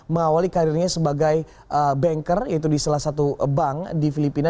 mengawali karirnya sebagai banker yaitu di salah satu bank di filipina